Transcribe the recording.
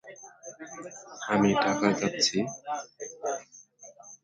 এটি দক্ষিণ-পূর্ব এবং উত্তর-পশ্চিম দিক থেকে ফিলিপাইন সাগরকে উপেক্ষা করে।